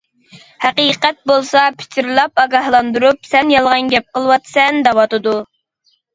ھەقىقەت بولسا پىچىرلاپ ئاگاھلاندۇرۇپ، سەن يالغان گەپ قىلىۋاتىسەن دەۋاتىدۇ.